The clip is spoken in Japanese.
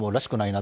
な